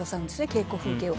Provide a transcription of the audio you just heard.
稽古風景を。